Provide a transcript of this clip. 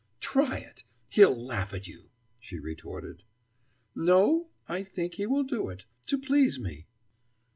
"Try it! He'll laugh at you!" she retorted. "No, I think he will do it to please me!"